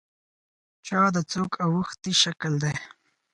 چا د څوک اوښتي شکل دی.